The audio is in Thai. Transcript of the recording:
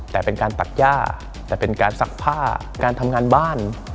แต่เป็นการตัดย่าแต่เป็นการซักผ้าการทำงานบ้าน